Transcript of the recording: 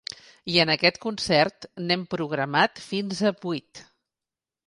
I en aquest concert n’hem programat fins a vuit.